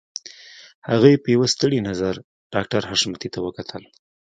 هغې په يوه ستړي نظر ډاکټر حشمتي ته وکتل.